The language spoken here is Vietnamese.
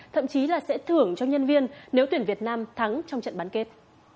thậm chí là sẽ thưởng cho nhân viên nếu tuyển việt nam thắng trong trận bán kết